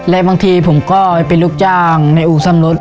และบางทีผมก็ไปลุกจ้างในอุซัมรถ